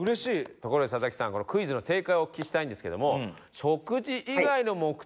「ところで佐々木さんこのクイズの正解をお聞きしたいんですけども」